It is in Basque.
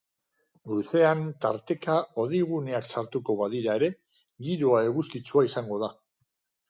Goizean tarteka hodeiguneak sartuko badira ere, giroa eguzkitsua izango da.